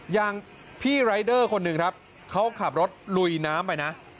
อย่างพี่รายเดอร์คนหนึ่งครับเขาขับรถลุยน้ำไปนะ